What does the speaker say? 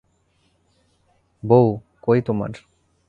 বউ কই তোমার?